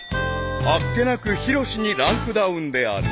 ［あっけなくヒロシにランクダウンである］